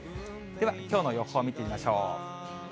ではきょうの予報見てみましょう。